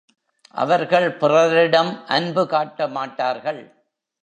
அவர்கள் பிறரிடம் அன்பு காட்டமாட்டார்கள்.